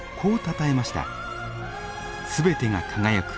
「全てが輝く。